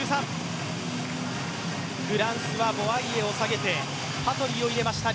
フランスはボワイエを下げてパトリを入れました。